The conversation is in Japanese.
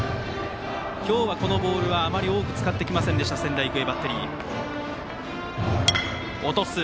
今日はこのボールはあまり多く使ってきません仙台育英バッテリー。